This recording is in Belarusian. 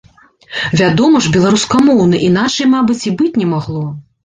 Вядома ж, беларускамоўны, іначай, мабыць, і быць не магло.